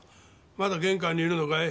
まだ玄関にいるのかい？